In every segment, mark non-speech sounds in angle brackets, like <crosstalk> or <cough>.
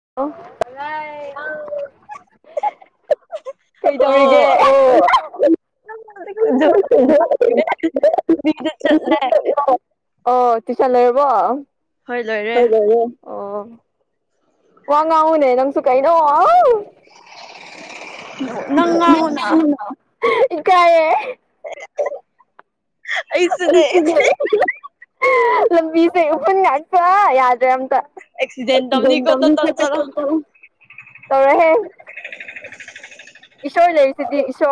<unintelligible> ꯑꯣ ꯀꯩꯗꯧꯔꯤꯒꯦ ꯑꯣ ꯑꯣ <inaudible> ꯇꯨꯏꯁꯟ ꯂꯣꯏꯔꯕꯣ ꯍꯣꯏ ꯂꯣꯏꯔꯦ ꯑꯣꯥ ꯋꯥꯉꯥꯎꯎꯅꯦ ꯅꯪꯁꯨ ꯀꯥꯏꯩꯅꯣ <inaudible> ꯅꯪ ꯉꯥꯡꯉꯨꯅ ꯏ ꯀꯥꯏꯌꯦ <unintelligible> ꯑꯩꯁꯨꯅꯦ ꯂꯝꯕꯤꯁꯦ ꯎꯐꯨꯟ ꯉꯥꯛꯇꯥ ꯌꯥꯗ꯭ꯔꯦ ꯑꯝꯇ ꯕꯥꯟ ꯇꯧꯅꯤ <unintelligible> ꯇꯧꯔꯣꯏꯍꯦ <inaudible> ꯁꯣꯏ ꯂꯩꯁꯤꯗꯤ ꯁꯣ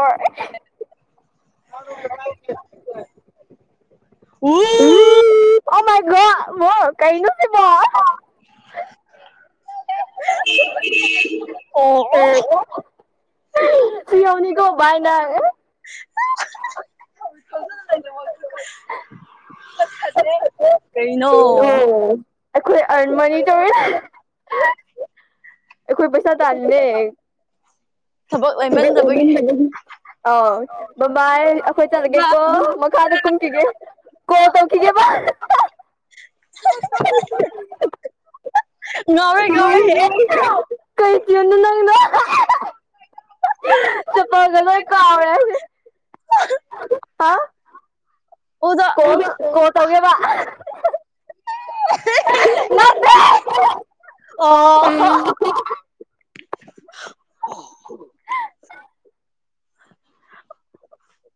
ꯑꯣ ꯃꯥꯏ ꯒꯣꯗ ꯀꯩꯅꯣ ꯁꯤꯕꯣ ꯑꯣ ꯇꯨꯡ ꯑꯅꯤꯀꯣ ꯥꯏꯅ ꯆꯠꯈꯔ꯭ꯖꯦ ꯀꯩꯅꯣ <unintelligible> ꯑꯈꯣꯏ ꯄꯩꯁꯥ ꯇꯥꯅꯂꯤꯅꯦ ꯅꯤꯡ ꯑꯥꯎ ꯕꯕꯥꯏ ꯑꯩꯈꯣꯏ ꯆꯠꯂꯒꯦꯀꯣ ꯃꯈꯥꯗ ꯀꯨꯝꯈꯤꯒꯦ ꯀꯣꯜ ꯇꯧꯈꯤꯒꯦꯕꯚ <inaudible> ꯀꯩꯅꯣ ꯀꯩ ꯇꯌꯨꯟꯅꯣ ꯅꯪꯒꯤꯗꯣ ꯆꯄꯒ ꯂꯣꯏ ꯀꯥꯎꯔꯦ ꯍꯥꯏꯁꯦ ꯍꯥꯎ ꯀꯣꯅ ꯀꯣ ꯇꯧꯒꯦ ꯋꯥ <inaudible> <inaudible> <unintelligible>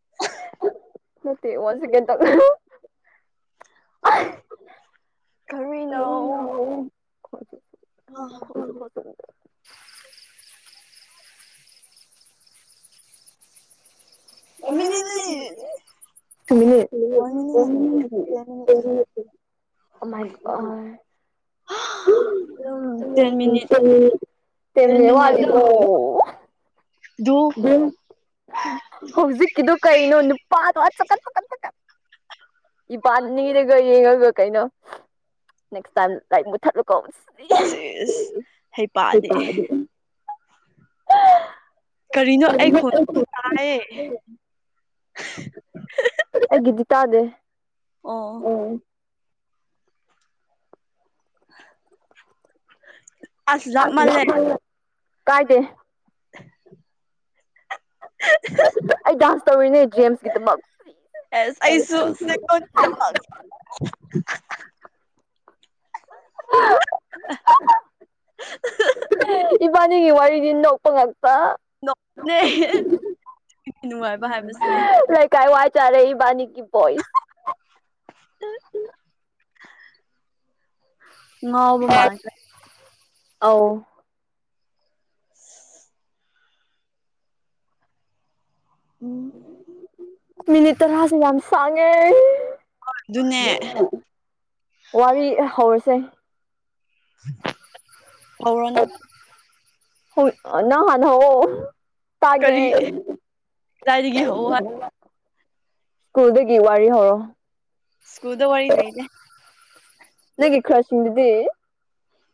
<unintelligible> <unintelligible> <inaudible> ꯃꯃꯤꯅꯤ ꯃꯃꯤꯅꯤ ꯅꯦ ꯋꯥ ꯑꯝ ꯍꯧꯖꯤꯛꯀꯤꯗꯨꯣ ꯀꯩꯅꯣ ꯅꯨꯄꯥꯗꯨ ꯐꯛꯜ ꯐꯛ ꯊꯛ ꯏ ꯄꯅꯤꯗꯒ ꯌꯦꯉꯒ ꯀꯩꯅꯣ ꯅꯦꯛꯁ ꯇꯥꯏꯝ ꯂꯥꯏ ꯃꯨꯊꯠꯂꯨ ꯀꯣ ꯏꯁ ꯀꯔꯤꯅꯣ ꯑꯩ ꯈꯣꯟ ꯗꯨꯝ ꯇꯥꯏꯌꯦ <inaudible> ꯒꯤꯗꯤ ꯇꯗꯦ ꯑꯣ <inaudible> ꯀꯥꯏꯗꯦ ꯑꯩ ꯗꯥꯟꯁ ꯇꯧꯔꯤꯅꯦ ꯖꯦꯝꯁꯀꯤꯗꯃꯛ <inaudible> ꯁꯤꯒꯤ ꯋꯥꯔꯤꯗꯤ ꯅꯣꯛꯄ ꯉꯝ ꯅꯣꯛꯅꯩꯌꯦ ꯅꯨꯡꯉꯥꯏꯕ ꯍꯥꯏꯕꯁꯦ ꯆꯥꯔꯦ ꯏꯕꯥꯅꯤꯒꯤ ꯄꯣꯏꯁ ꯉꯥꯎꯕ ꯃꯥꯟꯔꯦ ꯑꯧ ꯃꯤꯅꯤꯇ ꯍꯥꯁꯤ ꯌꯥꯝꯃꯤ ꯁꯥꯡꯉꯦ ꯋꯥꯔꯤ ꯍꯧꯔꯁꯦ ꯍꯧꯔꯣꯅꯥ ꯍꫭꯏ ꯅꯪ ꯍꯥꯟꯅ ꯍꯧꯋꫭ ꯇꯥꯒꯦ ꯏꯟꯑꯣꯗꯤꯕꯜ ꯁ꯭ꯀꯨꯜꯗꯒꯤ ꯋꯥꯔꯤ ꯍꯧꯔꯣ ꯁꯀꯨꯜꯗ ꯋꯥꯔꯤꯂꯩꯔꯦ ꯅꯡꯒꯤ ꯀ꯭ꯔꯁꯁꯤꯡꯗꯨꯗꯤ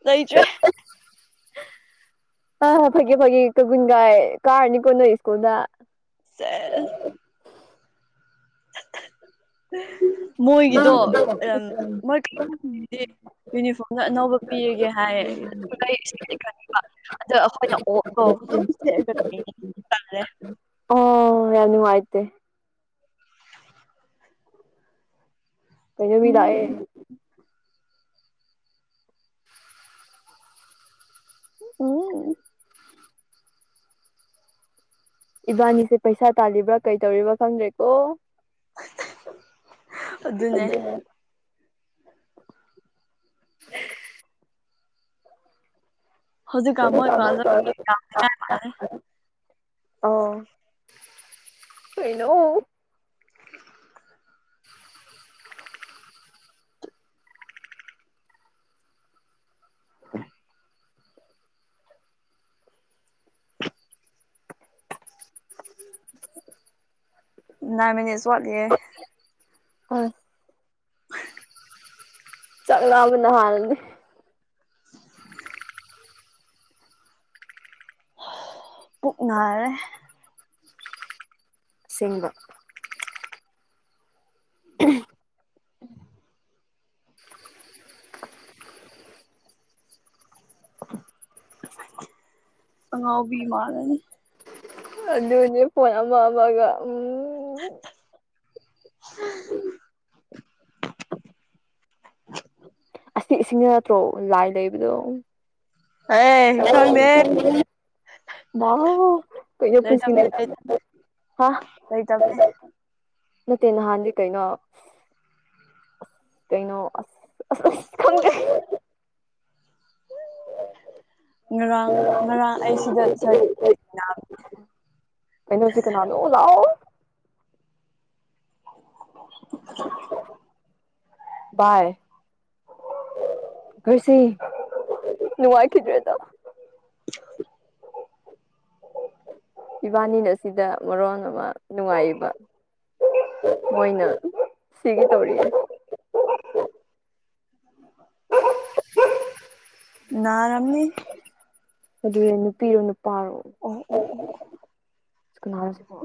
ꯂꯩꯩꯇꯔꯦ ꯑ ꯐꯒꯤ ꯐꯒꯤ ꯀꯒꯨꯟꯒꯥꯏ ꯀꯥꯔꯅꯤ ꯀꯣꯟꯅꯣ ꯁ꯭ꯀꯨꯜꯗ ꯃꯣꯏꯒꯤꯗꯣ ꯃꯔꯗꯤ ꯌꯨꯅꯤꯐꯣꯔꯝꯗ ꯑꯅꯧꯕ ꯄꯤꯔꯒꯦ ꯍꯥꯏ ꯁꯦꯅꯤ ꯑꯗ ꯑꯩꯈꯣꯏꯅ ꯑꯣꯛꯒꯣ ꯑꯗꯨꯝ ꯁꯒꯦ ꯇꯦ ꯀꯩꯅꯣ ꯃꯤꯂꯥꯛꯑ ꯑꯣ ꯏꯕꯥꯅꯤꯁꯦ ꯄꯩꯁꯥ ꯇꯥꯜꯂꯤꯕ꯭ꯔꯥ ꯀꯩ ꯇꯧꯔꯤꯕꯥ ꯈꯪꯗ꯭ꯔꯦꯀꯣ ꯑꯗꯨꯅꯦ <inaudible> ꯍꯧꯖꯤꯛ ꯀꯟ ꯃꫭꯏ <unintelligible> ꯑꯣ ꯀꯩꯅꫭ <inaudible> ꯍ ꯅ ꯃꯅꯤ ꯆꯣꯠꯂꯦ ꯑ ꯆꯥꯛꯉꯕ ꯅ ꯍꯥꯟꯅꯗꯤ ꯄꯨꯛ ꯅꯥꯔꯦ ꯁꯤꯡ <inaudible> ꯑꯉ ꯑꯣ ꯃꯥꯒꯅꯤ ꯑꯗꯨꯅꯦ ꯄꯣꯟ ꯑꯃ ꯑꯃꯒ ꯎꯝ ꯎꯝ ꯑꯁꯤ ꯏꯁꯤꯡꯗ ꯅꯠꯇ꯭ꯔꯣ ꯂꯥꯏ ꯂꯩꯕꯗꯣ ꯀꯩꯅꯣ ꯄꯨꯟꯁꯤꯅꯦ ꯍꯥ ꯅꯠꯇꯦ ꯅꯍꯥꯟꯗꯤ ꯀꯩꯅꯣ ꯀꯩꯅꯩꯅꯣ ꯑ <inaudible> ꯀꯩꯅꯣꯖꯤ ꯀꯅꯥ ꯂꯣ ꯂꯑꯣ <inaudible> ꯗ꯭ꯔꯦꯗ ꯏꯕꯥꯅꯤꯅ ꯑꯁꯤꯗ ꯃꯔꯣꯟ ꯑꯃ ꯅꯨꯡꯉꯥꯏꯕ ꯃꯣꯏꯅ ꯁꯤꯒꯤ ꯇꯧꯔꯤ ꯍ ꯔꯝꯃꯤ ꯑꯗꯨꯅꯦ ꯅꯨꯄꯤꯔꯣ ꯅꯨꯄꯥꯔꯣꯅꯥꯔꯁꯤꯕꯣ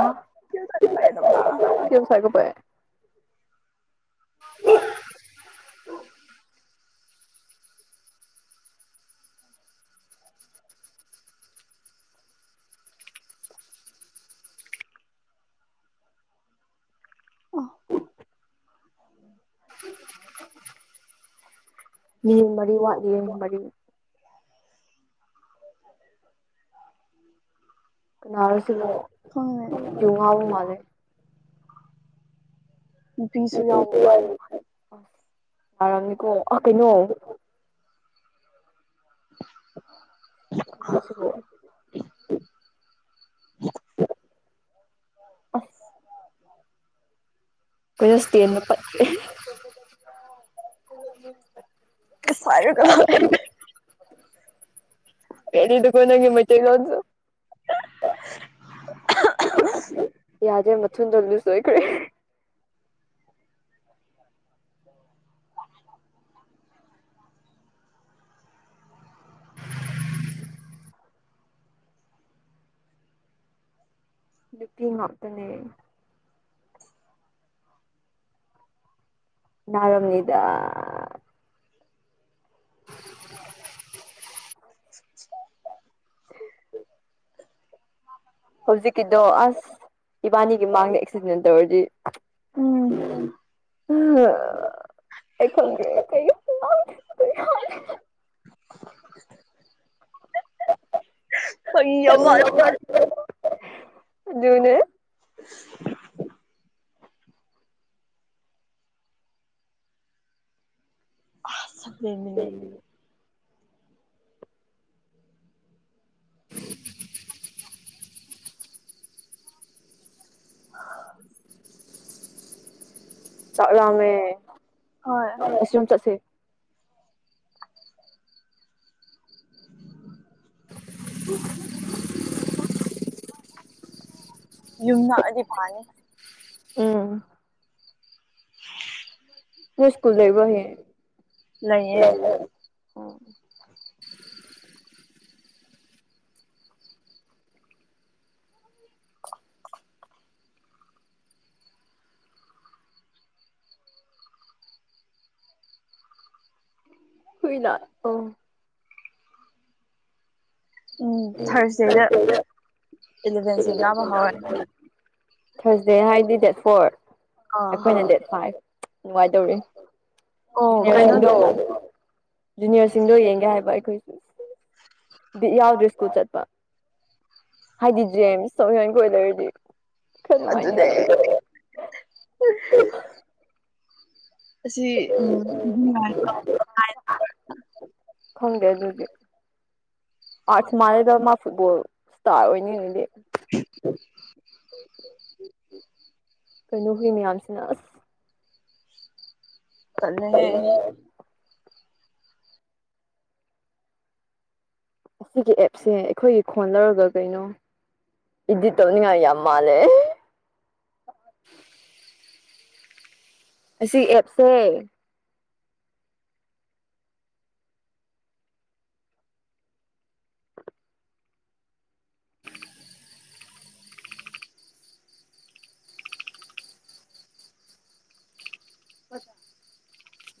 ꯑꯣ ꯑꯣ ꯃꯤꯌꯦꯡ ꯃꯔꯤ ꯋꯥꯠꯂꯤ ꯌꯦ ꯃꯔꯤ ꯎꯝ ꯀꯅꯥꯔꯁꯤ ꯖꯨꯍ ꯍꯃꯦ ꯌꯥꯎ ꯑ ꯑꯔꯝꯅꯤꯀꯣ ꯑ ꯀꯩꯅꯩꯅꯣ <unintelligible> <unintelligible> <unintelligible> <unintelligible> <unintelligible> ꯑꯦꯗꯨ ꯀꯣꯅꯒꯦ ꯃꯩꯇꯩꯂꯣꯟꯁꯨ <unintelligible> ꯌꯥꯗꯦ ꯃꯊꯟꯗ ꯂꯨꯁ ꯑꯣꯏꯈ꯭ꯔꯦ ꯅꯨꯄꯤ ꯉꯥꯛꯇꯅꯦ ꯅꯥꯔꯝꯅꯤꯗ <unintelligible> <unintelligible> <unintelligible> ꯍꯧꯖꯤꯛꯀꯤꯗꯣ ꯑꯁ ꯏꯕꯥꯅꯤꯒꯤ ꯃꯥꯡꯗ ꯑꯦꯛꯁꯤꯗꯦꯟ ꯇꯧꯔꯗꯤ ꯑꯩ ꯈꯪꯗꯦ <unintelligible> <unintelligible> ꯑꯗꯨꯅꯦ <unintelligible> ꯌꯦꯡꯉꯤꯅꯦ ꯆꯥꯛ ꯂꯥꯝꯂꯦ ꯑ ꯑꯁꯣꯝ ꯆꯠꯁꯦ <unintelligible> <unintelligible> ꯌꯨꯝꯅꯛ ꯑꯗꯤ ꯐꯅꯤ ꯎꯝ ꯅꯣꯏ ꯁ꯭ꯀꯨꯜ ꯂꯩꯕ꯭ꯔꯣ ꯍꯌꯦꯡ <unintelligible> ꯍꯨꯏꯅ ꯑꯣ ꯎꯝ ꯊꯥꯔꯁꯗꯦꯗ ꯏꯂꯚꯦꯟꯁꯤꯡ ꯀꯥꯕ ꯍꯔꯅꯤ ꯊꯥꯔꯁꯗꯦ ꯍꯥꯏꯗꯤ ꯗꯦꯠ ꯐꯣꯔ ꯑꯩꯈꯣꯏꯅ ꯗꯦꯠ ꯐꯥꯏꯚ ꯅꯨꯡꯉꯥꯏꯗꯧꯔꯤ ꯖꯨꯅꯤꯌꯔꯁꯤꯡꯗꯣ ꯖꯨꯅꯤꯌꯔꯁꯤꯡꯗꯣ ꯌꯦꯡꯒꯦ ꯍꯥꯏꯕ ꯑꯩꯈꯣꯏꯁꯨ ꯕꯤꯠ ꯌꯥꯎꯗ꯭ꯔꯦ ꯁ꯭ꯀꯨꯜ ꯆꯠꯄ <unintelligible> ꯍꯥꯏꯗꯤ <unintelligible> <unintelligible> ꯊ ꯅꯨꯡꯉꯥꯏ ꯈꯪꯗꯦ ꯑꯗꯨꯗꯤ ꯑꯥꯔꯠꯁ ꯃꯥꯂꯗ ꯃꯥ ꯐꯨꯠꯕꯣꯜ ꯏꯁꯇꯥꯔ ꯑꯣꯏꯅꯤ ꯑꯗꯨꯗꯤ ꯎꯝ ꯀꯩꯅꯣ ꯍ ꯃꯌꯥꯝꯁꯤꯅ ꯑꯁ ꯇꯩꯅꯦ ꯑꯁꯤꯒꯤ ꯑꯦꯞꯁꯦ ꯑꯩꯈꯣꯏꯒꯤ ꯈꯣꯟ ꯂꯧꯔꯒ ꯀꯩꯅꯣ ꯏꯗꯤꯠ ꯇꯧꯅꯤꯡꯉꯥꯏ ꯌꯥꯝ ꯃꯥꯜꯂꯦ ꯑꯁꯤ ꯑꯦꯞꯁꯦ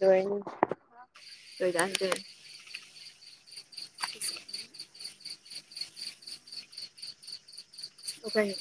ꯂꯣꯏꯅꯤ ꯇꯣꯏ ꯆꯗ ꯑꯄꯤꯤꯁ ꯑꯣꯅꯤ